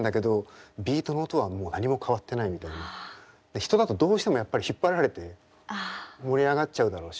人だとどうしてもやっぱり引っ張られて盛り上がっちゃうだろうし。